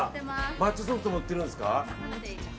抹茶ソフトも売ってるんですか。